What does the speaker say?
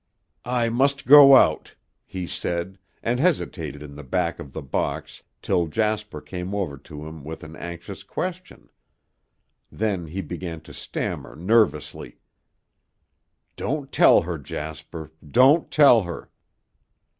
"I must go out," he said, and hesitated in the back of the box till Jasper came over to him with an anxious question. Then he began to stammer nervously. "Don't tell her, Jasper, don't tell her."